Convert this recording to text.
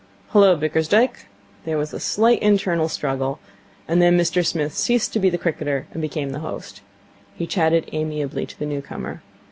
'Hullo, Bickersdyke.' There was a slight internal struggle, and then Mr Smith ceased to be the cricketer and became the host. He chatted amiably to the new comer.